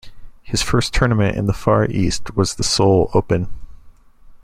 His first tournament in the Far East was the Seoul Open.